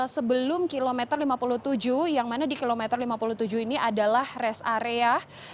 sebelum kilometer lima puluh tujuh yang mana di kilometer lima puluh tujuh ini adalah rest area